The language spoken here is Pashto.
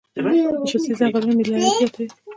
د پستې ځنګلونه ملي عاید زیاتوي.